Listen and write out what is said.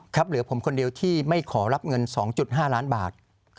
เหลือผมคนเดียวที่ไม่ขอรับเงิน๒๕ล้านบาท